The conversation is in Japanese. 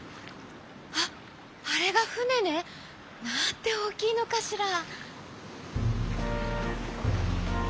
あっあれがふねね。なんておおきいのかしら」。